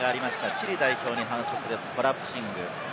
チリ代表の反則です、コラプシング。